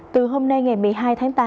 từ hôm nay ngày một mươi hai tháng tám